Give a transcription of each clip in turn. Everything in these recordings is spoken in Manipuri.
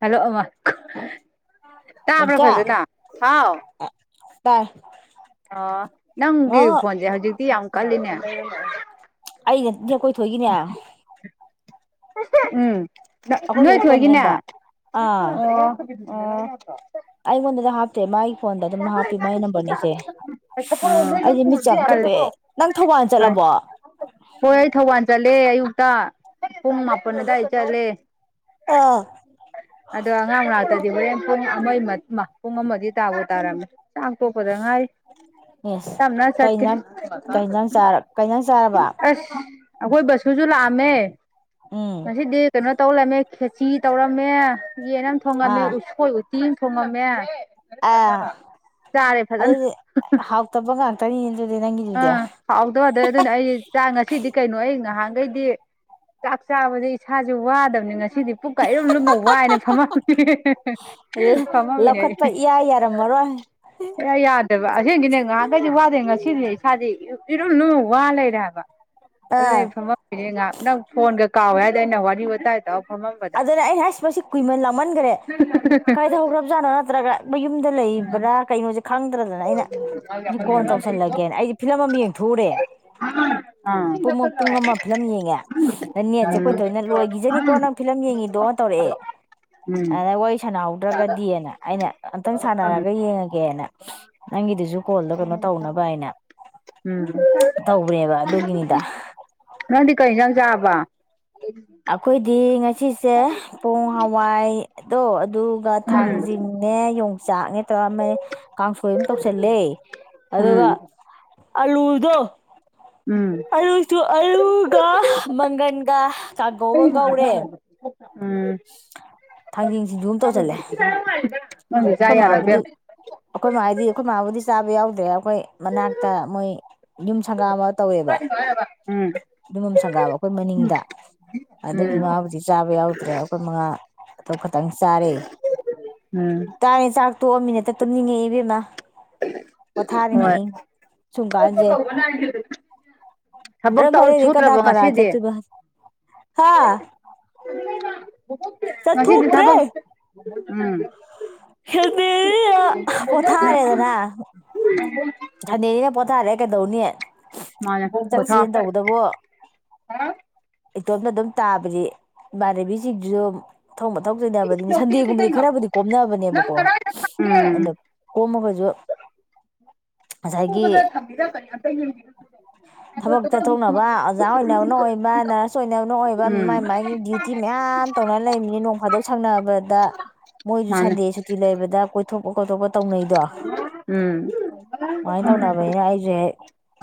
ꯍꯜꯂꯣ ꯑꯃ ꯇ ꯑꯃ꯭ꯔ ꯐꯖꯦꯗ ꯍꯥꯎ ꯇ ꯑ ꯅꯪꯒꯤ ꯐꯣꯟꯁꯦ ꯍꯧꯖꯤꯛꯇꯤ ꯌꯥꯝ ꯀꯜꯂꯤꯅꯦ ꯑꯩ ꯉꯗꯤ ꯀꯣꯏ ꯊꯣꯏꯈꯤꯅꯦ ꯎꯝ ꯅꯣꯏ ꯊꯣꯏ ꯊꯣꯛꯣꯏꯏꯒꯤꯅꯦ ꯐꯣꯟꯅꯦꯕ ꯑꯣ ꯑꯣ ꯑꯩ ꯃꯗ ꯍꯥꯥꯛꯇꯦ ꯃꯥꯥꯏ ꯐꯣꯟꯗ ꯑꯗꯨꯝ ꯍꯥꯞꯄꯤ ꯃꯒꯤ ꯅꯝꯕꯔꯅꯦꯁꯦ ꯑꯩꯁꯦ ꯃꯤꯆꯝ ꯑꯃ ꯊꯨꯞꯄꯦ ꯅꯪ ꯊꯧꯕꯥꯜ ꯆꯠꯂꯕꯣ ꯍꯣꯏ ꯑꯩ ꯊꯧꯕꯥꯜ ꯆꯠꯂꯦ ꯑꯌꯨꯛꯇ ꯄꯨꯡ ꯃꯥꯄꯜ ꯑꯗꯨꯋꯥꯏ ꯆꯠꯂꯦ ꯑꯦꯁ ꯑꯗꯣ ꯑꯉꯥꯡ ꯃꯅꯥꯛꯇꯗꯤ ꯍꯣꯔꯦꯟ ꯄꯨꯡ ꯑꯃꯒꯤ ꯄꯨꯡ ꯑꯃꯗꯤ ꯇꯥꯕꯗ ꯇꯧꯔꯝꯃꯦ ꯆꯥꯛ ꯇꯣꯛꯄꯗ ꯉꯥꯏ ꯊꯝꯅ ꯀꯩ ꯆꯠ ꯌꯦꯟꯖꯥꯡ ꯑꯁ ꯀꯩ ꯌꯦꯟꯖꯥꯡ ꯆꯥꯔ ꯀꯩ ꯌꯦꯟꯖꯥꯡ ꯆꯥꯔꯕ ꯑꯩꯈꯣꯏꯕꯁꯨ ꯂꯥꯛꯑꯝꯃꯦ ꯎꯝ ꯃꯁꯤꯗꯤ ꯀꯩꯅꯣ ꯇꯧꯔꯃꯦ ꯈꯦꯆꯤ ꯇꯧꯔꯝꯃꯦ ꯌꯦꯟ ꯑꯃ ꯊꯣꯡꯉꯝꯃꯦ ꯑꯥ ꯎꯁꯣꯏ ꯎꯇꯤ ꯑꯃ ꯊꯣꯡꯉꯝꯃꯦ ꯑꯥ ꯆꯥꯔꯦ ꯐꯖꯅ ꯑꯗꯨꯗꯤ ꯍꯥꯎꯇꯕ ꯉꯥꯛꯇꯅꯤꯅꯦ ꯑꯗꯨꯗꯤ ꯅꯪꯒꯤꯗꯨꯗꯤ ꯑꯥ ꯍꯥꯎꯗꯗ ꯑꯗꯨꯅ ꯑꯩ ꯆꯥꯛ ꯉꯁꯤꯗꯤ ꯀꯩꯅꯣ ꯑꯩ ꯉꯥꯏꯍꯥꯛ ꯑꯗꯩꯗꯤ ꯆꯥꯛ ꯆꯥꯕꯁꯦ ꯏꯁꯥꯁꯨ ꯋꯥꯗꯕꯅꯤ ꯉ ꯁꯤꯗꯤ ꯄꯨꯛꯀ ꯏꯔꯨꯝ ꯂꯨꯝꯃ ꯋꯥꯏꯅ ꯐꯝꯃꯝꯃꯤꯅꯦ ꯐꯝꯃꯝꯃꯤꯅꯦ ꯑꯩ ꯀꯔ ꯃꯔꯔꯣ ꯑꯦꯌꯥ ꯌꯥꯗ꯭ꯔꯕ ꯑꯁꯦꯡꯒꯤꯅꯦ ꯉꯥꯏꯍꯥꯛꯈꯩꯗꯤ ꯋꯥꯗꯦ ꯉꯁꯤꯗꯤ ꯁꯥꯗꯤ ꯏꯔꯣꯝꯅꯅꯨꯡ ꯋꯥ ꯂꯩꯔꯦ ꯍꯥꯏꯕ ꯑꯗꯨꯅ ꯑꯥ ꯑꯩ ꯐꯝꯃꯝꯃꯤꯅꯦ ꯉꯥꯏꯍꯥꯛ ꯅꯪ ꯐꯣꯟꯒ ꯀꯥꯎꯋꯦ ꯍꯥꯏꯔꯗꯤ ꯑꯩꯅ ꯋꯥꯔꯤ ꯋꯥꯇꯥꯏ ꯇꯧꯔ ꯐꯝꯃꯝꯕꯗ ꯑꯗꯨꯅ ꯑꯩꯅ ꯍꯥꯏꯁꯤ ꯃꯁꯤ ꯀꯨꯏꯃꯟ ꯂꯥꯃꯟꯈꯔꯦ ꯀꯔꯤꯗ ꯍꯧꯈ꯭ꯔꯕꯖꯥꯠꯅꯣ ꯅꯠꯇ꯭ꯔꯒ ꯃꯌꯨꯝꯗ ꯂꯩꯕ꯭ꯔꯥ ꯀꯩꯅꯣ ꯆ ꯈꯪꯗ꯭ꯔꯗꯅ ꯑꯩꯅ ꯁꯤ ꯀꯣꯟ ꯇꯧꯁꯜꯂꯒꯦꯅ ꯑꯩꯗꯤ ꯐꯤꯂꯝ ꯑꯃ ꯌꯦꯡꯊꯎꯨꯔꯦꯕ ꯎꯝ ꯎꯝ ꯄꯨꯡ ꯄꯨꯡ ꯑꯃ ꯐꯤꯂꯝ ꯌꯦꯡꯉꯦ ꯑꯗ ꯅꯦꯠꯁꯦ ꯑꯩꯈꯣꯏ ꯊꯣꯏꯅ ꯂꯣꯏꯈꯤꯖꯅꯤꯀꯣ ꯅꯪ ꯐꯤꯂꯝ ꯌꯦꯡꯉꯤꯗꯣ ꯇꯧꯔꯛꯑꯦ ꯑꯗ ꯋꯥꯔꯤ ꯁꯥꯟꯅꯍꯧꯗ꯭ꯔꯒꯗꯤꯅ ꯑꯩꯅ ꯑꯝꯇꯪ ꯁꯥꯟꯅꯔꯒ ꯌꯦꯡꯉꯒꯦꯅ ꯅꯪꯒꯤꯗꯨꯁꯨ ꯀꯣꯜꯗꯣ ꯀꯩꯅꯣ ꯇꯧꯅꯕ ꯍꯥꯏꯅ ꯎꯝ ꯇꯧꯕꯅꯦꯕ ꯑꯗꯨꯒꯤꯅꯤꯗ ꯅꯪꯗꯤ ꯀꯩ ꯌꯦꯟꯁꯥꯡ ꯆꯥꯕ ꯑꯩꯈꯣꯏꯗꯤ ꯉꯁꯤꯁꯦ ꯄꯣꯡ ꯍꯋꯥꯏꯗꯣ ꯑꯗꯨꯒ ꯎꯝ ꯊꯥꯡꯖꯤꯡꯅꯦ ꯌꯣꯡꯆꯥꯛꯅꯦ ꯆꯃ ꯀꯥꯡꯁꯣꯏ ꯑꯃ ꯇꯧꯁꯜꯂꯦ ꯎꯝ ꯑꯗꯨꯒ ꯑꯂꯨꯗꯣ ꯎꯝ ꯑꯔꯨꯁꯨ ꯑꯔꯨꯒ ꯃꯪꯒꯟꯒ ꯆꯥꯛꯀꯧꯕ ꯀꯧꯔꯦ ꯁꯤꯡꯖꯨ ꯑꯃ ꯇꯧꯁꯜꯂꯦ ꯎꯝ ꯅꯪꯒꯤ ꯆꯥ ꯑꯩꯈꯣꯏ ꯌꯥꯔꯣꯏ ꯃꯥꯕꯨꯗꯤ ꯏꯕꯦꯝ ꯑꯩꯈꯣꯏ ꯃꯥꯗꯤ ꯑꯩꯈꯣꯏ ꯃꯥꯕꯨꯗꯤ ꯆꯥꯕ ꯌꯥꯎꯗ꯭ꯔꯦ ꯑꯩꯈꯣꯏ ꯃꯅꯥꯛꯇ ꯃꯣꯏ ꯌꯨꯝ ꯁꯪꯒꯥ ꯑꯃ ꯇꯧꯋꯦꯕ ꯎꯝ ꯑꯗꯨꯃꯝ ꯁꯪꯒꯥꯕ ꯑꯩꯈꯣꯏ ꯃꯅꯤꯡꯗ ꯑꯗꯨꯒꯤ ꯎꯝ ꯃꯥꯥꯕꯨꯗꯤ ꯆꯥꯕ ꯌꯥꯎꯗ꯭ꯔꯦ ꯑꯩꯈꯣꯏ ꯃꯉꯥ ꯑꯗꯨ ꯈꯇꯪ ꯆꯥꯔꯦ ꯎꯝ ꯇꯥꯔꯦ ꯆꯥꯛ ꯇꯣꯛꯑ ꯃꯤꯅꯠꯇ ꯇꯨꯝꯅꯤꯡꯉꯛꯏ ꯏꯕꯦꯝꯃ ꯄꯣꯊꯥꯔꯤꯉꯤ ꯁꯨꯝ ꯍ ꯀꯥꯟꯁꯦ ꯀ ꯅꯪ ꯊꯕꯛꯇꯧ ꯍꯣꯔꯦꯟꯗꯤ ꯀꯅꯥ ꯁꯨꯗ꯭ꯔꯕꯣ ꯀꯅꯥ ꯉꯁꯤꯗꯤ ꯆꯠꯇꯣꯏꯕ ꯑꯗꯨꯅ ꯆꯠꯣꯛꯇ꯭ꯔꯦ ꯎꯝ ꯍ ꯄꯊꯥꯔꯦꯗꯅ ꯑ ꯊꯅꯤꯅ ꯄꯊꯔꯦ ꯀꯩꯗꯧꯅꯤ ꯃꯥ ꯊ ꯆꯠꯁꯦꯅ ꯇꯧꯕꯗꯕꯨ ꯏꯇꯣꯝꯇ ꯑꯗꯨꯝ ꯇꯥꯕꯗꯤ ꯏꯃꯥꯟꯅꯕꯤꯁꯤꯡꯗꯨꯁꯨ ꯃꯊꯧ ꯃꯊꯧ ꯇꯅꯕꯅꯤ ꯊꯤꯗꯣꯛꯇꯦꯗꯤ ꯁꯟꯗꯦꯒꯨꯝꯕꯗꯤ ꯀꯩꯅꯣ ꯈꯔꯕꯨꯗꯤ ꯀꯣꯝꯅꯕꯅꯦꯕ ꯅꯪ ꯀꯗꯥꯏꯗ ꯈꯪꯒꯦ ꯑ ꯀꯣꯃ ꯐꯖ ꯍ ꯊ ꯃꯥ ꯄꯌꯥ ꯊꯕꯛ ꯆꯠꯊꯣꯛꯅꯕ ꯑꯣꯖꯥ ꯑꯣꯏꯅꯕꯅ ꯑꯣꯏꯕ ꯅꯔꯁ ꯑꯣꯏꯅꯕꯅ ꯑꯣꯏꯕ ꯎꯝ ꯃꯥꯏ ꯃꯥꯏꯒꯤ ꯗ꯭ꯌꯨꯇꯤ ꯃꯌꯥꯝ ꯌꯥꯝ ꯇꯧꯅ ꯂꯩꯃꯤꯅꯤ ꯅꯣꯡ ꯐꯥꯗꯣꯛ ꯁꯪꯅꯕꯗ ꯃꯣꯏꯁꯨ ꯃꯥꯅꯦ ꯁꯟꯗꯦ ꯁꯨꯇꯤ ꯂꯩꯕꯗ ꯀꯣꯏꯊꯣꯛ ꯑꯣ ꯈꯣꯇꯣꯛꯄ ꯇꯧꯅꯩꯗꯣ ꯎꯝ ꯁꯨꯃꯥꯏꯅ ꯇꯧꯅꯕꯅꯤꯅ ꯑꯩꯁꯦ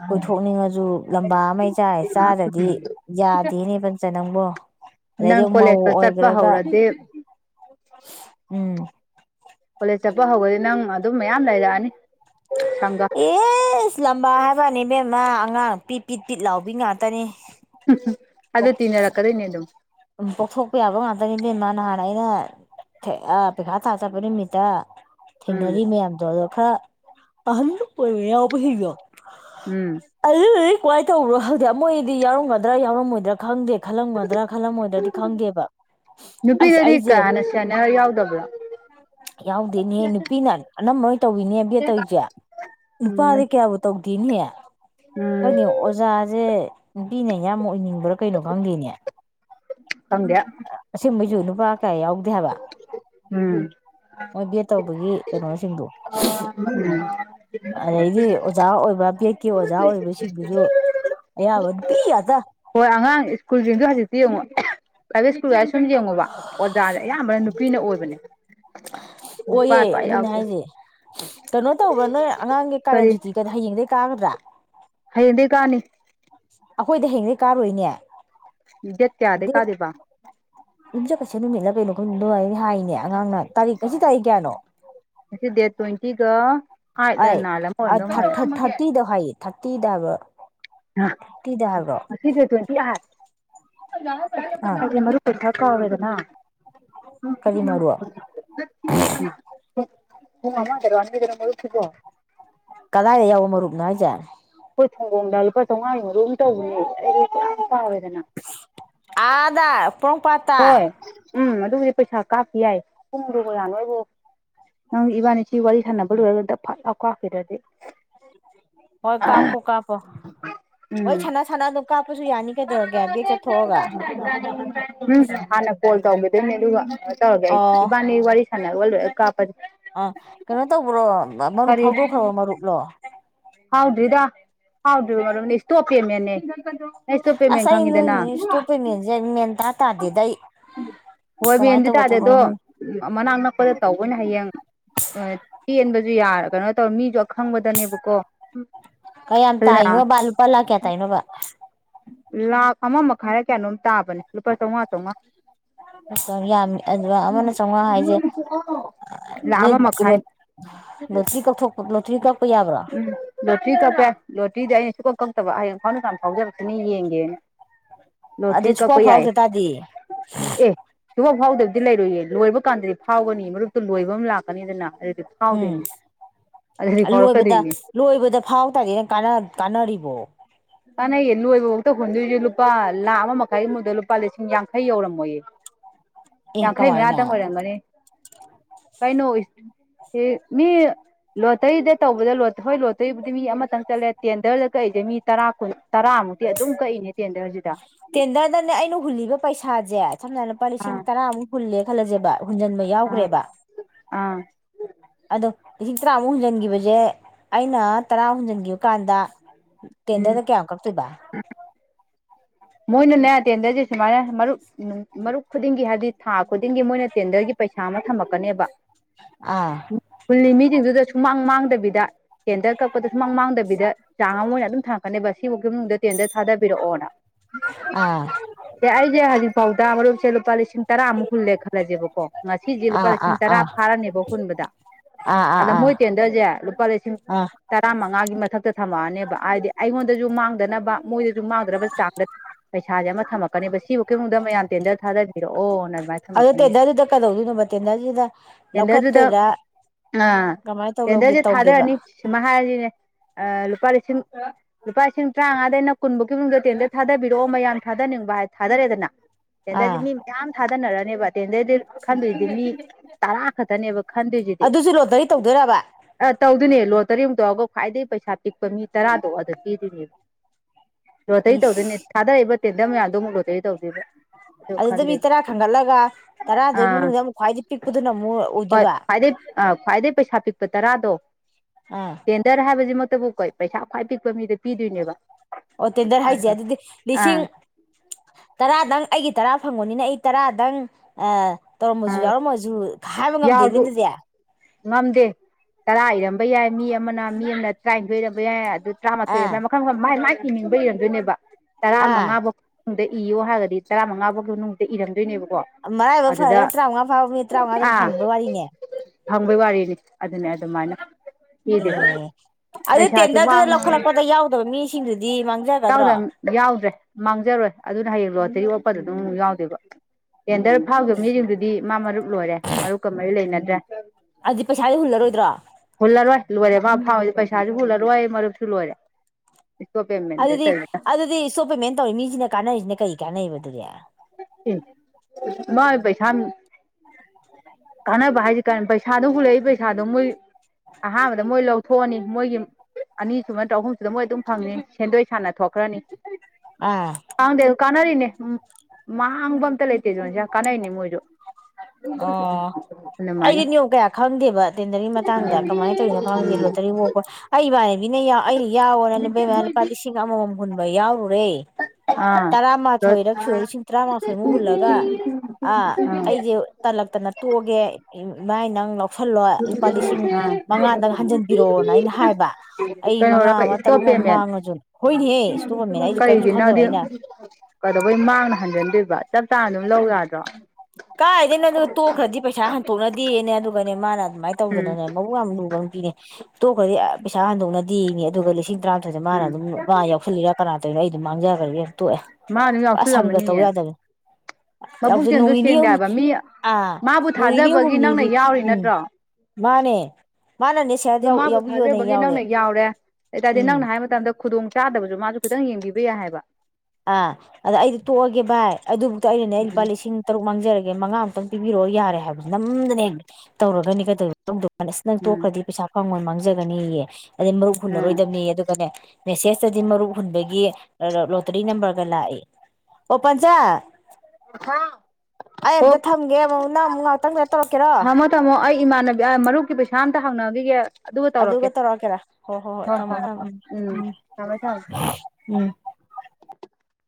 ꯀꯣꯏꯊꯣꯛꯅꯤꯡꯉꯁꯨ ꯂꯝꯕꯥ ꯑꯃꯩ ꯆꯥꯏ ꯆꯥꯗ꯭ꯔꯗꯤ ꯌꯥꯗꯦꯅꯦꯕꯟꯁ ꯅꯪꯕꯣ ꯅꯪ ꯑꯗꯩꯗꯤ ꯃꯧ ꯀꯣꯂꯦꯖꯇ ꯆꯠꯄ ꯑꯣꯏꯈ꯭ꯔꯒ ꯍꯧꯔꯗꯤ ꯎꯝ ꯀꯣꯂꯦꯖ ꯆꯠꯄ ꯍꯧꯧꯕꯗꯤ ꯅꯪ ꯑꯗꯨꯝ ꯃꯌꯥꯝ ꯂꯩꯔꯛꯑꯅꯤ ꯁꯪꯒ ꯑꯦ ꯂꯝꯕꯥ ꯍꯥꯏꯕꯅꯤ ꯃꯦꯝꯅ ꯑꯉꯥꯡ ꯄꯤ ꯄꯤꯠ ꯄꯤꯠ ꯂꯥꯎꯕꯤ ꯉꯥꯛꯇꯅꯤ ꯑꯗ ꯇꯤꯅꯔꯛ ꯀꯗ ꯅ ꯑꯗꯨꯝ ꯎꯝ ꯄꯣꯛꯊꯣꯛꯄ ꯌꯥꯕ ꯉꯥꯛꯇꯅꯦ ꯏꯕꯦꯝ ꯏꯃꯥ ꯅ ꯍꯥꯟꯅ ꯑꯩꯅ ꯑ ꯄ ꯈꯥ ꯊꯥ ꯆꯄꯅꯤꯃꯤꯠꯇ ꯎꯝ ꯊꯦꯡꯅꯔꯤ ꯃꯌꯥꯝꯗꯣ ꯑꯗꯣ ꯈꯔ ꯑꯍꯟꯗꯨ ꯑꯣꯏꯕ ꯌꯥꯎꯕ ꯍꯌꯣ ꯎꯝ ꯑꯗꯨꯅꯅꯤ ꯀꯃꯥꯏꯅ ꯇꯧꯕꯔꯣ ꯈꯪꯗꯦ ꯃꯣꯏꯗꯤ ꯌꯥꯎꯔꯝꯒꯗ꯭ꯔꯥ ꯌꯥꯎꯔꯝꯃꯣꯏꯗ꯭ꯔꯥ ꯈꯪꯗꯦ ꯈꯜꯂꯝꯒꯗ꯭ꯔꯥ ꯈꯜꯂꯝꯃꯣꯏꯗ꯭ꯔꯗꯤ ꯈꯪꯗꯦꯕ ꯑꯁ ꯅꯨꯄꯤꯗꯗꯤ ꯑꯩꯁꯦ ꯀꯥꯅ ꯁꯦꯅꯤꯌꯔ ꯌꯥꯎꯗꯕ꯭ꯔꯣ ꯌꯥꯎꯗꯦꯅꯦꯍꯦ ꯅꯨꯄꯤꯅ ꯑꯅꯝꯕ ꯂꯣꯏ ꯇꯧꯋꯤꯅꯦ ꯕꯦꯠ ꯇꯧꯋꯤꯖꯦ ꯎꯝ ꯅꯨꯄꯥꯗꯤ ꯀꯌꯥꯕꯨ ꯇꯧ ꯗꯤꯅꯦ ꯎꯝ ꯀꯩꯅꯤ ꯑꯣꯖꯥꯁꯦ ꯅꯨꯄꯤꯅ ꯑꯌꯥꯝ ꯑꯣꯏꯅꯤꯡ ꯭ꯕꯔ ꯀꯩꯅꯣ ꯈꯪꯗꯦꯅꯦ ꯈꯪꯗꯦ ꯀꯥꯌꯥꯎꯗꯦ ꯍꯥꯏꯕ ꯎꯝ ꯃꯣꯏ ꯕꯦꯠ ꯇꯧꯕꯒꯤ ꯀꯩꯅꯣꯁꯤꯡꯗꯣ ꯎꯝ ꯑꯗꯩꯒꯤ ꯑꯣꯖꯥ ꯑꯣꯏꯕ ꯇꯦꯛꯀꯤ ꯑꯣꯖꯥ ꯑꯣꯏꯕꯁꯤꯡꯗꯨꯁꯨ ꯑꯌꯥꯕ ꯄꯤ ꯑꯗ ꯍꯣꯏ ꯑꯉꯥꯡ ꯁ꯭ꯀꯨꯜꯁꯤꯡꯁꯨ ꯍꯧꯖꯤꯛꯇꯤ ꯌꯦꯡꯉꯣ ꯄ꯭ꯔꯥꯏꯚꯦꯠ ꯁ꯭ꯀꯨꯜꯒꯁꯦ ꯁꯨꯝ ꯌꯦꯡꯉꯣꯕ ꯑꯣꯖꯥꯁꯦ ꯑꯌꯥꯝꯕꯅ ꯅꯨꯄꯤꯅ ꯑꯣꯏꯕꯅꯦ ꯅꯨꯄꯥ ꯑꯣꯏꯌꯦ ꯄꯥꯛ ꯑꯗꯨꯅꯦ ꯌꯥꯎꯗꯦ ꯍꯥꯏꯁꯦ ꯀꯩꯅꯣ ꯇꯧꯕ ꯅꯣꯏ ꯑꯉꯥꯡꯒꯤ ꯀꯥꯂꯦꯟ ꯀꯔꯤ ꯁꯨꯇꯤꯒ ꯍꯌꯦꯡꯗꯩ ꯀꯥꯒꯗ꯭ꯔꯥ ꯍꯌꯦꯡꯗꯩ ꯀꯥꯅꯤ ꯑꯈꯣꯏꯗꯤ ꯍꯌꯦꯡꯗꯩ ꯀꯥꯔꯣꯏꯅꯦ ꯗꯦꯠ ꯀꯌꯥꯗꯩ ꯀꯥꯗꯨꯏꯕ ꯌꯨꯝꯖꯥꯀꯩꯁꯥ ꯅꯨꯃꯤꯠꯂ ꯀꯩꯅꯣ ꯈꯪ ꯂꯨꯉꯥꯏꯅꯤ ꯍꯥꯏꯅꯦ ꯑꯉꯥꯡꯅ ꯇꯥꯔꯤꯛ ꯉꯁꯤ ꯇꯥꯔꯤꯛ ꯀꯌꯥꯅꯣ ꯁꯤꯒ ꯑꯩꯏꯠ ꯊ ꯊꯥꯔꯇꯤꯗ ꯍꯥꯏꯌꯦ ꯊꯥꯔꯇꯤꯗꯕ ꯑ ꯉꯁꯤ ꯗꯦꯠ ꯇꯨꯏꯟꯇꯤ ꯑꯥꯏꯠ ꯑꯥ [unintelligible] ꯃꯔꯨꯞ ꯄꯩꯁꯥ ꯀꯥꯎꯔꯦꯗꯅ ꯀꯔꯤ ꯃꯔꯨꯞ [unintelligible] [inaudible] ꯀꯗꯥꯏꯗ ꯌꯥꯎꯕ ꯃꯔꯨꯞꯅꯣ ꯍꯥꯏꯁꯦ ꯑꯩꯈꯣꯏ ꯊꯣꯡꯒꯣꯡꯗ ꯂꯨꯄꯥ ꯆꯧꯉꯥꯒꯤ ꯃꯔꯨꯝ ꯑꯃ ꯇꯧꯕꯅꯦ ꯑꯩ [inaudible] ꯑꯥꯗ ꯄꯣꯔꯣꯝꯄꯥꯠꯇ ꯍꯣꯏ ꯎꯝ ꯑꯗꯨꯕꯨꯗꯤ ꯄꯩꯁꯥ ꯀꯥꯞꯈꯤ ꯌꯥꯏ ꯄꯨꯡꯗꯨ ꯀꯌꯥ ꯑꯩꯕꯨ ꯅꯪ ꯏꯕꯥꯅꯤ ꯁꯤ ꯋꯥꯔꯤ ꯁꯥꯟꯅꯕ ꯂꯣꯏꯔꯒ ꯗꯞ ꯐꯥꯠ ꯀꯥꯞꯈꯤꯗꯔꯗꯤ ꯍꯣꯏ ꯀꯥꯞꯄꯣ ꯀꯥꯞꯄꯣ ꯋꯥꯔꯤ ꯎꯝ ꯁꯥꯟꯅ ꯁꯥꯟꯅ ꯑꯗꯨꯝ ꯀꯥꯞ ꯎꯝ ꯍꯥꯟꯅ ꯀꯣꯜ ꯇꯧꯒꯗꯣꯏꯅꯦ ꯑꯗꯨꯒ ꯇꯧꯔꯒꯦ ꯑꯩ ꯑꯣ ꯏꯕꯥꯅꯤ ꯋꯥꯔꯤ ꯁꯥꯟꯅꯅꯕ ꯂꯣꯏꯔ ꯀꯥꯞꯄ ꯑꯥ ꯀꯩꯅꯣ ꯇꯧꯕ꯭ꯔꯣ ꯃ ꯃꯔꯨꯞ ꯐꯥꯎꯗꯣꯛꯈ꯭ꯔꯕ ꯃꯔꯨꯞꯂꯣ ꯐꯥꯎꯗ꯭ꯔ꯭ꯤ ꯗ ꯐꯥꯎꯗꯔ꯭ꯤꯕꯥ ꯃꯔꯨꯞꯅꯤ ꯁꯇ꯭ꯣꯞ ꯄꯦꯃꯦꯟ ꯅꯦ ꯑꯁꯥꯏ [unintelligible] ꯏꯁꯇꯣꯄ ꯄꯦꯃꯦꯟ ꯁꯦ ꯃꯦꯟ ꯇꯥ ꯇꯥꯗꯦꯗ ꯑꯩ ꯍꯣꯏ ꯀꯃꯥꯏꯅ ꯃꯦꯟꯗꯤ ꯇꯧꯕ ꯇꯥꯗꯦ ꯑꯗꯣ ꯊꯕꯛꯅꯣ ꯃꯅꯥꯛ ꯅꯛꯄꯗ ꯇꯧꯕꯅ ꯍꯩꯌꯦꯡ ꯇꯦꯟꯕꯁꯨ ꯌꯥꯔ ꯀꯩꯅꯣ ꯇꯧꯔ ꯃꯤꯁꯨ ꯑꯈꯪꯕꯗꯅꯦꯕꯀꯣ ꯀꯌꯥꯝ ꯑꯗꯨꯅ ꯇꯥꯏꯅꯣꯕ ꯂꯨꯄꯥ ꯂꯥꯛ ꯀꯌꯥ ꯇꯥꯏꯅꯣꯕ ꯂꯥꯛ ꯑꯃ ꯃꯈꯥꯏꯔ ꯀꯌꯥꯅꯣꯝ ꯇꯥꯕꯅꯦ ꯂꯨꯄꯥ ꯆꯩꯉꯥ ꯆꯩꯉꯥ ꯑꯁ ꯌꯥꯝ ꯌꯥꯝꯃꯤ ꯂꯥꯛ ꯑꯃꯅꯥ ꯆꯧꯉꯥ ꯍꯥꯏꯖꯦ ꯂꯥꯛ ꯅꯣꯏ ꯑꯃ ꯃꯈꯥꯏ ꯂꯣꯠ ꯂꯣꯇ꯭ꯔꯤ ꯀꯛꯊꯣꯛꯄ ꯂꯣꯇ꯭ꯔꯤ ꯀꯛꯄ ꯌꯥꯕꯔꯣ ꯎꯝ ꯂꯣꯇ꯭ꯔꯤ ꯀꯛꯄ ꯌꯥꯏ ꯂꯣꯇ꯭ꯔꯤꯗꯤ ꯑꯩꯅ ꯁꯨꯛꯀꯛ ꯀꯛꯇꯕ ꯍꯌꯦꯡ ꯐꯥꯎꯅꯤꯡ ꯀꯥꯟ ꯐꯥꯎꯖꯅꯤ ꯌꯦꯡꯒꯦꯅ ꯑꯗꯨ ꯂꯣꯇꯔ꯭ꯤ ꯁꯨꯐꯥꯎ ꯀꯛꯄ ꯌꯥꯏꯌꯦ ꯐꯥꯎꯗ ꯇꯥꯗꯤ ꯑꯦ ꯁꯨꯡꯐꯥꯎ ꯐꯥꯎꯗꯕꯤ ꯂꯩꯔꯣꯏꯌꯦ ꯂꯣꯏꯕ ꯀꯥꯟꯗꯗꯤ ꯐꯥꯎꯒꯅꯤ ꯃꯔꯨꯞꯇꯣ ꯂꯣꯏꯕ ꯑꯃ ꯂꯥꯛꯀꯅꯤꯗꯅ ꯑꯗ ꯎꯝ ꯂꯣꯏꯕꯗ ꯐꯥꯎꯔꯛꯀꯗꯣꯏꯅꯤ ꯂꯣꯏꯕꯗ ꯐꯥꯎ ꯇꯥꯗꯤ ꯅꯪ ꯀꯥꯟꯅ ꯀꯥꯟꯅꯔꯤꯕꯣ ꯀꯥꯟꯅꯩꯌꯦ ꯂꯣꯏꯕꯐꯥꯎꯇ ꯍꯨꯟꯗꯣꯏꯁꯦ ꯂꯨꯄꯥ ꯂꯥꯈ ꯑꯃ ꯃꯈꯥꯏꯒꯤ ꯃꯅꯨꯡꯗ ꯂꯨꯄꯥ ꯂꯤꯁꯤꯡ ꯌꯥꯡꯈꯩ ꯌꯧꯔꯝꯃꯣꯏꯌꯦ ꯑꯦ ꯌꯥꯡꯈꯩ ꯀꯃꯥꯏꯅ ꯃꯌꯥꯗꯪ ꯑꯣꯏꯔꯝꯒꯅꯤ ꯀꯩꯅꯣꯑꯣꯏ ꯍꯦ ꯃꯤ ꯂꯣꯇꯔꯤꯗ ꯇꯧꯕꯗ ꯍꯣꯏ ꯂꯣꯇꯔꯤꯕꯨꯗꯤ ꯃꯤ ꯑꯃꯇꯪ ꯆꯠꯂꯦ ꯇꯦꯟꯗꯔꯗ ꯀꯩꯁꯦ ꯃꯤ ꯇꯔꯥ ꯀꯨꯟ ꯇꯔꯥꯃꯨꯛꯇꯤ ꯑꯗꯨꯝ ꯀꯛꯏꯅꯦ ꯇꯦꯟꯗꯔꯁꯤꯗ ꯇꯦꯟꯗꯔꯗꯅꯦ ꯑꯩꯅ ꯍꯨꯜꯂꯤꯕ ꯄꯩꯁꯥꯁꯦ ꯁꯝꯅ ꯍꯥꯏꯅ ꯂꯨꯄꯥ ꯂꯤꯁꯤꯡ ꯑꯥ ꯇꯔꯥꯃꯨꯛ ꯍꯨꯜꯂꯦ ꯈꯜꯂꯁꯦꯕ ꯍꯨꯟꯖꯟꯕ ꯑꯥ ꯌꯥꯎꯈ꯭ꯔꯦꯕ ꯑꯥ ꯑꯗꯣ ꯂꯤꯁꯤꯡ ꯇꯔꯥꯃꯨꯛ ꯍꯨꯟꯖꯤꯟꯈꯤꯕꯁꯦ ꯑꯩꯅ ꯇꯔꯥ ꯍꯨꯟꯖꯤꯟꯈꯤꯕ ꯀꯥꯟꯗ ꯇꯦꯟꯗꯗ ꯀꯌꯥ ꯀꯛ ꯇꯨꯏꯕꯥ ꯎ ꯃꯣꯏꯅꯅꯦ ꯇꯦꯟꯗꯔꯁꯦ ꯁꯨꯃꯥꯏꯅ ꯃꯔ ꯃꯔꯨꯞ ꯈꯨꯗꯤꯡꯒꯤ ꯍꯥꯏꯕꯗꯤ ꯊꯥ ꯈꯨꯗꯤꯡꯒꯤ ꯃꯣꯏꯅ ꯇꯦꯟꯗꯔꯒꯤ ꯄꯩꯁꯥ ꯄꯩꯁꯥ ꯑꯃ ꯊꯝꯃꯛꯀꯅꯦꯕ ꯑꯥ ꯈꯨꯜꯂꯤ ꯃꯤꯁꯤꯡꯗꯨꯗ ꯁꯨꯃꯥꯡ ꯃꯥꯡꯗꯕꯤꯗ ꯀꯦꯟꯗꯔ ꯀꯛꯄꯗ ꯁꯨꯃꯥꯡ ꯃꯥꯡꯗꯕꯤꯗ ꯆꯥꯡ ꯑꯃ ꯑꯣꯏꯅ ꯑꯗꯨꯝ ꯊꯥꯡꯉꯛꯀꯅꯦꯕ ꯁꯤꯐꯥꯎꯒꯤ ꯃꯅꯨꯡꯗ ꯇꯦꯟꯗ ꯊꯥꯗꯕꯤꯔꯛꯑꯣꯅ ꯑꯥ ꯁ ꯑꯩꯁꯦ ꯍꯧꯖꯤꯛ ꯐꯥꯎꯗ ꯑꯃꯔ ꯆꯂ ꯄꯂꯤ ꯂꯤꯁꯤꯡ ꯇꯔꯥꯃꯨꯛ ꯍꯨꯜꯂꯦ ꯈꯜꯂꯁꯦꯕꯀꯣ ꯉꯁꯤꯁꯦ ꯂꯨꯄꯥ ꯑꯥ ꯑꯥ ꯂꯤꯁꯤꯡ ꯑꯥ ꯇꯔꯥ ꯐꯥꯔꯅꯦꯕ ꯍꯨꯟꯕꯗ ꯑꯥ ꯑꯥ ꯑꯗ ꯑꯥ ꯃꯣꯏ ꯇꯦꯟꯗꯔꯁꯦ ꯂꯨꯄꯥ ꯂꯤꯁꯤꯡ ꯑꯥ ꯇꯔꯥ ꯃꯉꯥꯒꯤ ꯃꯊꯛꯇ ꯇ ꯊꯝꯃꯛꯑꯅꯦꯕ ꯍꯥꯏꯗꯤ ꯑꯩꯉꯣꯟꯗꯁꯨ ꯃꯥꯡꯗꯅꯕ ꯃꯣꯏꯗꯁꯨ ꯃꯥꯡꯗꯅꯕ ꯆꯥꯡꯗ ꯄꯩꯁꯥꯁꯦ ꯑꯃ ꯊꯝꯃꯛꯀꯅꯦꯕ ꯁꯤꯕꯨ ꯀꯩꯅꯨꯡꯗ ꯃꯌꯥꯝ ꯇꯦꯟꯗꯔ ꯊꯥꯗꯕꯤꯔꯛꯑꯣ ꯑꯗꯨꯣ ꯇꯦꯟꯗꯔꯗꯨꯗ ꯀꯩꯗꯧꯗꯣꯏꯅꯣꯕ ꯇꯦꯟꯗꯔꯗꯨꯗ ꯇꯦꯟꯗꯔꯗꯨꯗ ꯂꯧꯈꯠꯇꯣꯏꯔꯥ ꯑꯥ ꯀꯃꯥꯏꯅ ꯇꯧ ꯂꯧꯒꯦ ꯆꯦꯟꯗꯁꯦ ꯇꯧꯒꯦꯕ ꯊꯥꯗꯔꯅꯤ ꯁꯤꯃ ꯍꯥꯏꯔꯁꯤꯅꯦ ꯂꯨꯄꯥ ꯂꯤꯁꯤꯡ ꯂꯨꯄꯥ ꯂꯤꯁꯤꯡ ꯇꯔꯥꯃꯉꯥꯗ ꯑꯩꯅ ꯀꯨꯟꯕ ꯀꯨꯟꯒ ꯇꯦꯟ ꯊꯥꯗꯕꯤꯔꯛꯑꯣ ꯃꯌꯥꯝ ꯊꯥꯗꯅꯤꯡꯕ ꯍꯥꯏ ꯊꯥꯗꯔꯦꯗꯅꯦꯟꯗꯗꯤ ꯑꯥ ꯃꯤ ꯃꯌꯥꯝ ꯊꯥꯗꯅꯔꯅꯤ ꯕ ꯑꯦꯟꯗꯩꯗꯤ ꯈꯟꯗꯣꯏꯗꯤ ꯃꯤ ꯇꯔꯥ ꯈꯛꯇꯅꯦꯕ ꯈꯟꯗꯁꯤꯗꯤ ꯑꯗꯨꯁꯨ ꯂꯣꯇꯔꯤ ꯇꯧꯗꯣꯏꯔꯕ ꯑ ꯇꯧ ꯑꯗꯨꯅꯦ ꯂꯣꯇꯔꯤꯃꯨꯛ ꯇꯧꯑꯒ ꯈ꯭ꯋꯥꯏꯗꯒꯤ ꯄꯩꯁꯥ ꯄꯤꯛꯄ ꯃꯤ ꯇꯔꯥꯗꯣ ꯑꯗꯨꯗ ꯄꯤꯗꯣꯏꯅꯦꯕ ꯏꯁ ꯇꯧꯣꯏꯅꯦ ꯊꯥꯗꯔꯏꯕ ꯇꯦꯟꯝ ꯃ ꯌꯥꯗꯣꯧꯨꯛꯨꯗꯣꯏ ꯇꯗꯧ ꯑꯗꯨꯗ ꯃꯤ ꯇꯔꯥ ꯈꯟꯒꯠꯂꯒ ꯇꯔꯥꯗꯨꯏ ꯑꯥ ꯃꯅꯨꯡꯗ ꯑꯃꯨꯛ ꯈ꯭ꯋꯥꯏꯗꯒꯤ ꯄꯤꯛꯄꯗꯨꯅ ꯑꯃꯨꯛ ꯍꯣꯏ ꯑꯣꯏꯗꯣꯏꯕ ꯈ꯭ꯋꯥꯏꯗꯩ ꯑ ꯈ꯭ꯋꯥꯏꯗꯩ ꯄꯩꯁꯥ ꯄꯤꯛꯄ ꯇꯔꯥꯗꯣ ꯑꯥ ꯇꯦꯟꯗꯔ ꯍꯥꯏꯕꯁꯤ ꯇꯕꯨ ꯀꯣꯏ ꯄꯩꯁꯥ ꯈ꯭ꯋꯥꯏ ꯄꯤꯛꯄ ꯃꯤꯗ ꯄꯤꯗꯣꯏꯅꯦꯕ ꯑꯣ ꯇꯦꯟꯗꯔ ꯍꯥꯏꯁꯦ ꯑꯗꯨꯅ ꯑꯗꯨꯗꯤ ꯂꯤꯁꯤꯡ ꯑꯥ ꯇꯔꯥꯗꯪ ꯑꯩꯒꯤ ꯇꯔꯥ ꯐꯪꯕꯅꯤꯅ ꯑꯩ ꯇꯔꯥꯗꯪ ꯇꯧꯔꯝꯃꯁꯨ ꯑꯥ ꯌꯥꯎꯔꯝꯃꯁꯨ ꯍꯥꯏꯕ ꯉꯝꯗꯦꯅꯤ ꯌꯥꯎꯔꯁꯨ ꯑꯗꯨꯗꯤ ꯉꯝꯗꯦ ꯇꯔꯥ ꯏꯔꯝꯕ ꯌꯥꯏ ꯃꯤ ꯑꯃꯅ ꯃꯤ ꯑꯃꯅ ꯇꯔꯥꯅꯤꯊꯣꯏ ꯏꯔꯝꯕ ꯌꯥꯏ ꯑꯗꯨ ꯇꯔꯥꯊꯣꯏꯔꯝ ꯃꯈꯟ ꯃꯈ ꯃꯥꯏ ꯃꯒꯤ ꯏꯤꯅꯤꯡꯕ ꯏꯔꯝꯗꯣꯏꯅꯦꯕ ꯑꯥ ꯇꯔꯥꯃꯉꯥ ꯐꯥꯎ ꯃꯅꯨꯡꯗ ꯏꯌꯣ ꯍꯥꯏꯔꯒꯗꯤ ꯇꯔꯥꯃꯉꯥ ꯐꯥꯎꯒꯤ ꯃꯅꯨꯡꯗ ꯏꯔꯝꯗꯣꯏꯅꯦꯕ ꯃꯔꯥꯏꯕꯛ ꯐꯔꯒꯅ ꯇꯔꯥꯃꯉꯥ ꯐꯥꯎꯕ ꯃꯤ ꯇꯔꯥꯃꯉꯥ ꯑꯗꯨꯝ ꯑꯥ ꯐꯪꯕ ꯋꯥꯔꯤꯅꯦ ꯐꯪꯕꯩ ꯋꯥꯔꯤꯅꯤ ꯑꯗꯨꯅꯦ ꯑꯗꯨꯃꯥꯏꯅ ꯄꯤꯗꯦꯕ ꯑꯦ ꯑꯗꯨ ꯄꯩꯁꯥꯁꯨ ꯇꯦꯟꯗꯔꯗꯨꯗ ꯋꯥꯡꯅ ꯂꯧꯈꯠꯂꯛꯄꯗ ꯌꯥꯎꯗꯕ ꯃꯤꯁꯤꯡꯗꯨꯗꯤ ꯃꯥꯡꯖꯒꯗ꯭ꯔꯣ ꯌꯥꯎꯗ꯭ꯔꯦ ꯃꯥꯡꯖꯔꯣꯏ ꯑꯗꯨꯅ ꯍꯌꯦꯡ ꯂꯣ ꯑ ꯑꯣꯄꯗꯨ ꯑꯗꯨꯝ ꯌꯥꯎꯗꯦꯕ ꯇꯦꯟꯗꯔ ꯐꯥꯎꯗꯕ ꯃꯤꯁꯤꯡꯗꯨꯗꯤ ꯃꯥ ꯃꯔꯨꯞ ꯂꯣꯏꯔꯦ ꯃꯔꯨꯞꯀ ꯃꯔꯤ ꯂꯩꯅꯗ꯭ꯔꯦ ꯑꯗꯨꯗꯤ ꯄꯩꯁꯥꯗꯤ ꯍꯨꯜꯂꯔꯣꯏꯗ꯭ꯔꯣ ꯍꯨꯜꯂꯔꯣꯏ ꯂꯣꯏꯔꯦ ꯃꯥ ꯐꯥꯎꯕꯗꯤ ꯄꯩꯁꯥꯁꯨ ꯍꯨꯜꯂꯔꯣꯏ ꯃꯔꯨꯞꯁꯨ ꯂꯣꯏꯔꯦ ꯏꯁꯇꯣꯞ ꯄꯦꯃꯦꯟꯗ ꯑꯗꯨꯗꯤ ꯇꯧꯔꯤꯁꯦ ꯑꯗꯨꯗꯤ ꯁꯣꯞ ꯄꯦꯃꯦꯟ ꯇꯧꯔꯤ ꯃꯤꯁꯤꯅ ꯀꯥꯟꯅꯔꯤꯁꯤꯅ ꯀꯔꯤ ꯀꯥꯟꯅꯩꯕ ꯑꯗꯨꯗꯤ ꯃ ꯄꯩꯁꯥꯝ ꯀꯥꯟꯅꯕ ꯍꯥꯏꯁꯤ ꯀ ꯄꯩꯁꯥꯗꯣ ꯍꯨꯜꯂꯛꯏ ꯄꯩꯁꯥꯗꯨꯣ ꯃꯣꯏ ꯑꯍꯥꯟꯕꯗ ꯃꯣꯏ ꯂꯧꯊꯣꯛꯑꯅꯤ ꯃꯣꯏꯒꯤ ꯑꯅꯤꯁꯨꯨꯕ ꯅ꯭ꯔ ꯑꯍꯨꯝꯁꯨꯗ ꯃꯣꯏ ꯑꯗꯨꯝ ꯐꯪꯅꯤ ꯁꯦꯟꯗꯣꯏ ꯁꯥꯟꯅ ꯊꯣꯛꯈ꯭ꯔꯅꯤ ꯑꯥ ꯀꯥꯡꯗꯦ ꯑꯗꯨ ꯀꯥꯟꯅꯔꯤꯅꯦ ꯃꯥꯡꯕ ꯑꯝꯇ ꯂꯩꯇꯦ ꯖꯣꯟꯁ ꯀꯅꯥꯩꯅꯤ ꯃꯣꯏꯗꯨ [unintelligible] ꯑꯩꯗꯤ ꯅꯤꯌꯣꯝ ꯀꯌꯥ ꯈꯪꯗꯦꯕ ꯇꯦꯟꯗꯔꯒꯤ ꯃꯇꯥꯡꯗ ꯀꯃꯥꯏ ꯇꯧꯔꯤꯅꯣ ꯈꯪꯗꯦ ꯂꯣꯇꯔꯤ ꯋꯣꯛꯄ ꯑꯩ ꯏꯕꯥꯅꯤ ꯃꯤꯕꯤꯅꯦ ꯑꯩ ꯌꯥꯎꯋꯅꯦꯕꯦꯝꯃ ꯂꯨꯄꯥ ꯂꯤꯁꯤꯡ ꯑꯃꯃꯝ ꯍꯨꯟꯕ ꯌꯥꯎꯔꯨꯔꯦ ꯎꯝ ꯑꯥ ꯇꯔꯥꯃꯥꯊꯣꯏꯔꯛ ꯁ ꯂꯤꯁꯤꯡ ꯇꯔꯥꯃꯥꯊꯣꯏꯃꯨꯛ ꯍꯨꯜꯂꯒ ꯑ ꯑꯩꯁꯦ ꯇꯂꯛ ꯠꯇꯅ ꯇꯣꯛꯑꯒꯦ ꯏꯃꯥꯏ ꯅꯪ ꯂꯧ ꯂꯧꯁꯜꯂꯣ ꯂꯨꯄꯥ ꯂꯤꯁꯤꯡ ꯃꯉꯥꯗꯪ ꯍꯟꯖꯟꯕꯤꯔꯛꯑꯣꯅ ꯑꯩꯅ ꯍꯥꯏꯕ ꯑꯩ ꯃꯉꯥ ꯀꯩꯅꯣꯔꯕ ꯑꯃ ꯇꯔꯨꯛ ꯏꯁꯇꯣꯞ ꯄꯦꯃꯦꯟ ꯃꯥꯡꯉꯁꯨ ꯍꯣꯏꯅꯦꯍꯦ ꯏꯁꯇꯣꯑꯝꯃꯦꯅ ꯑꯩꯁꯨ ꯀꯔꯤꯝꯁꯨ ꯈꯪꯗꯕ ꯀꯔꯤꯒꯤꯅꯣꯗꯤ ꯑꯩꯅ ꯀꯩꯗꯧꯕꯩ ꯃꯥꯡꯅ ꯍꯟꯖꯤꯟꯗꯣꯏꯕ ꯆꯞ ꯆꯥ ꯑꯗꯨꯝ ꯂꯧ ꯌꯥꯗ꯭ꯔꯣ ꯀꯥꯏꯗ ꯅꯪ ꯑꯗꯨꯒ ꯇꯣꯛꯈ꯭ꯔꯗꯤ ꯄꯩꯁꯥ ꯍꯟꯇꯣꯛꯅꯗꯦꯅꯦ ꯑꯗꯨꯒꯅꯦ ꯃꯥꯅ ꯑꯗꯨꯃꯥꯏꯅ ꯎꯝ ꯇꯧꯗꯅꯅꯦ ꯃꯕꯨꯛ ꯌꯥꯝ ꯂꯨꯒ ꯑꯃ ꯄꯤꯅꯦ ꯇꯣꯛꯈ꯭ꯔꯗꯤ ꯄꯩꯁꯥ ꯍꯟꯗꯣꯛꯅꯗꯤ ꯌꯦꯡꯉꯤ ꯑꯗꯨꯒ ꯂꯤꯁꯤꯡ ꯇꯔꯥꯊꯣꯏꯗ ꯃꯥꯅ ꯎꯝ ꯑꯗꯨꯝ ꯃꯥ ꯌꯥꯎꯁꯤꯜꯂꯤꯔ ꯀꯅꯥ ꯇꯧꯔꯤꯔ ꯑꯩ ꯑꯗꯨꯝ ꯃꯥꯡꯖꯈ꯭ꯔꯒꯦ ꯃꯥꯅ ꯌꯥꯎꯁꯜꯂꯝꯃꯅꯤꯌꯦ ꯃꯕꯨꯡ ꯌꯥꯎꯁꯪ ꯇꯦꯟꯗꯨ ꯅꯣꯡ ꯅꯤꯅꯤ ꯍꯨꯝꯅꯤ ꯁꯦꯡꯗꯦꯕ ꯃꯤ ꯑꯥ ꯃꯥꯕꯨ ꯅꯣꯡ ꯅꯤꯅꯤ ꯊꯥꯖꯕꯒꯤ ꯅꯪꯅ ꯍꯨꯝꯅꯤꯗꯤ ꯌꯥꯎꯔꯤ ꯎꯝ ꯅꯠꯇ꯭ꯔꯣ ꯃꯥꯅꯦ ꯃꯥꯅꯅꯦ ꯁꯦꯜ ꯑꯗꯨꯣ ꯃꯥꯕꯨ ꯌꯥꯎꯕꯤꯌꯣꯅ ꯊꯥꯖꯕꯒꯤ ꯅꯪꯅ ꯌꯥꯎꯔꯦ ꯑꯗꯨꯇꯥꯗꯤ ꯎꯝ ꯅꯪꯅ ꯍꯥꯏ ꯃꯇꯝꯗ ꯈꯨꯗꯣꯡ ꯆꯥꯗꯕꯁꯨ ꯃꯥꯁꯨ ꯈꯤꯇꯪ ꯌꯦꯡꯕꯤꯕ ꯌꯥꯏ ꯍꯥꯏꯕ ꯑꯥ ꯑꯗ ꯑꯩꯗ ꯇꯣꯛꯑꯒꯦ ꯚꯥꯏ ꯑꯗꯨꯐꯥꯎꯗ ꯑꯩꯅꯅꯦ ꯑꯩ ꯂꯨꯄꯥ ꯎꯝ ꯂꯤꯁꯤꯡ ꯇꯔꯨꯛ ꯃꯥꯡꯖꯔꯒꯦ ꯃꯉꯥ ꯑꯃꯨꯛꯇꯪ ꯄꯤꯕꯤꯔꯛꯑꯣ ꯌꯥꯔꯦ ꯍꯥꯏꯕ ꯅꯝꯗꯅ ꯍ ꯇꯧꯔꯒꯅꯤ ꯀꯩ ꯑꯅꯁ ꯅꯪ ꯎꯝ ꯇꯣꯛꯈ꯭ꯔꯗꯤ ꯄꯩꯁꯥ ꯈꯪꯉꯣꯏ ꯃꯥꯡꯖꯒꯅꯤꯌꯦ ꯑꯗꯩ ꯃꯔꯨꯞ ꯎꯝ ꯍꯨꯜꯂꯔꯣꯏꯗꯕꯅꯤ ꯑꯗꯨꯒꯅꯦ ꯃꯦꯁꯦꯁꯇꯗꯤ ꯃꯔꯨꯞ ꯍꯨꯟꯕꯒꯤ ꯂꯣꯇꯔꯤ ꯅꯝꯕꯔꯒ ꯂꯥꯛꯏ ꯑꯣ ꯄꯟꯆꯥ ꯑꯩ ꯍꯣ ꯑꯝꯇ ꯊꯝꯒꯦ ꯑꯃꯨꯛ ꯅꯍꯪ ꯑꯃꯨꯛ ꯉꯥꯏꯍꯥꯛꯇꯪ ꯉ ꯇꯧꯔꯛꯀꯦꯔꯣ ꯊꯝꯃꯣ ꯊꯝꯃꯣ ꯑꯩ ꯏꯃꯥꯟꯅꯕꯤ ꯃꯔꯨꯞꯀꯤ ꯄꯩꯁꯥ ꯑꯝꯇ ꯍꯪꯅꯈꯤꯒꯦ ꯑꯗꯨꯒ ꯇꯧꯔꯛꯀꯦꯔꯥ ꯍꯣꯏ ꯍꯣꯏ ꯍꯣꯏ ꯊꯝꯃꯣ ꯍꯣꯏ ꯊꯝꯃꯣꯝ ꯎꯝ ꯊꯝꯃꯦ ꯊꯝꯃꯦ ꯎꯝ ꯎꯝ [unintelligible]